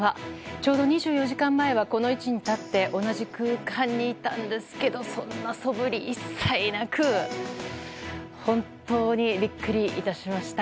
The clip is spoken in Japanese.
ちょうど２４時間前はこの位置に立って同じ空間にいたんですけどそんなそぶり、一切なく本当にビックリしました。